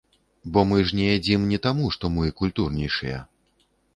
Бо мы ж не ядзім не таму, што мы культурнейшыя.